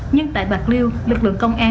nhưng tại bạc liêu lực lượng công an